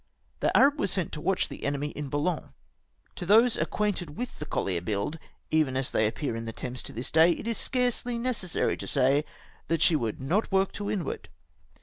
The Arab was sent to watch the enemy in Bou logne. To those acquainted with the coUier build, even as they appear in the Thames to this day, it is scarcely necessary to say that she would not work to wind ward.